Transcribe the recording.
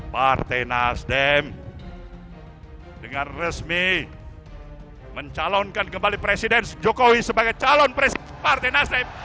partai nasdem dengan resmi mencalonkan kembali presiden jokowi sebagai calon presiden partai nasdem